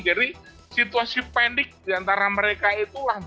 jadi situasi panik diantara mereka itulah